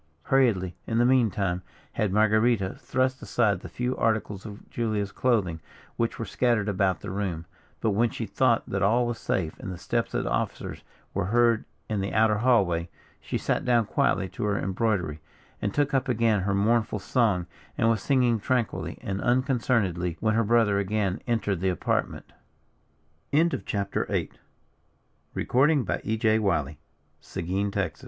Hurriedly, in the meantime, had Marguerita thrust aside the few articles of Julia's clothing which were scattered about the room, but when she thought that all was safe, and the steps of the officers were heard in the outer hall, she sat down quietly to her embroidery, and took up again her mournful song, and was singing tranquilly and unconcernedly, when her brother again entered the apartment. CHAPTER IX. SPANISH HONOUR. "Marguerita, come forth. The Gene